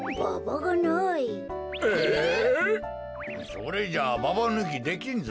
それじゃあババぬきできんぞ。